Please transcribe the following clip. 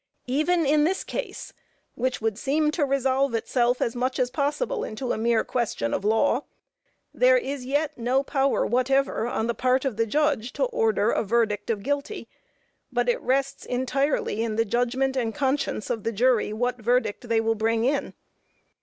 Even in this case, which would seem to resolve itself as much as possible into a mere question of law, there is yet no power whatever on the part of the judge to order a verdict of guilty, but it rests entirely in the judgment and conscience of the jury what verdict they will bring in.